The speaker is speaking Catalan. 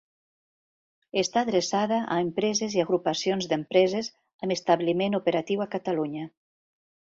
Està adreçada a empreses i agrupacions d'empreses amb establiment operatiu a Catalunya.